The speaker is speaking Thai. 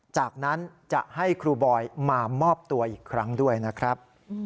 จากนั้นจะให้ครูบอยมามอบตัวอีกครั้งด้วยนะครับ